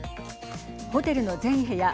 ホテルの全部屋